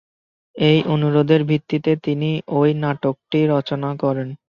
এই অনুরোধের ভিত্তিতে তিনি ঐ নাটকটি রচনা করেন।